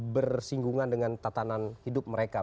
bersinggungan dengan tatanan hidup mereka